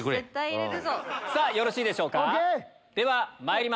よろしいでしょうか？